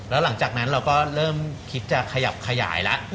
แล้วหลังจากนั้นเราก็เริ่มคิดจะขยับขยายแล้ว